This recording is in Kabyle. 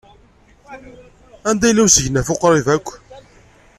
Anda yella usegnaf uqrib akk?